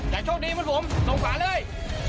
อยากโชคดีเหมือนผมส่งฝ่าเลย